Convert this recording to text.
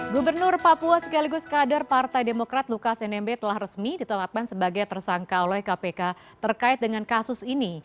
gubernur papua sekaligus kader partai demokrat lukas nmb telah resmi ditetapkan sebagai tersangka oleh kpk terkait dengan kasus ini